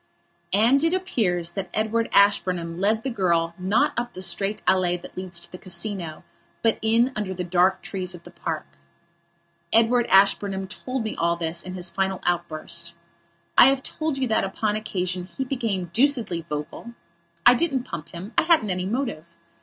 And it appears that Edward Ashburnham led the girl not up the straight allée that leads to the Casino, but in under the dark trees of the park. Edward Ashburnham told me all this in his final outburst. I have told you that, upon that occasion, he became deucedly vocal. I didn't pump him. I hadn't any motive.